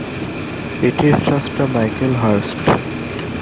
এটির স্রষ্টা Michael Hurst.